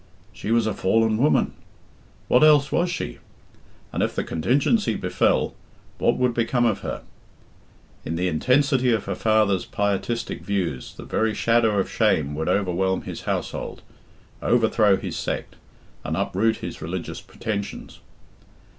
She was a fallen woman! What else was she? And if the contingency befell, what would become of her? In the intensity of her father's pietistic views the very shadow of shame would overwhelm his household, overthrow his sect, and uproot his religious pretensions.